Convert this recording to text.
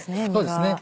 そうですね。